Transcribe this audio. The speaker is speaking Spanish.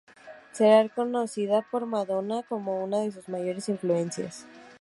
Será reconocida por Madonna como una de sus mayores influencias.